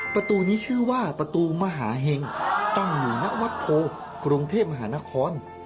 ประตูนี้ชื่อว่าประตูมหาเห็งตั้งอยู่ณวัดโพกรุงเทพมหานคร